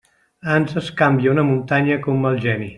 Ans es canvia una muntanya que un mal geni.